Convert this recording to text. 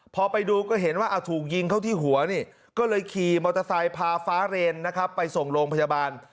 พอไปดูก็เห็นว่าถูกยิงเข้าที่หัวนี่ก็เลยขี่มอเตอร์ไซค์พาฟ้าเรนนะครับไปส่งโรงพยาบาล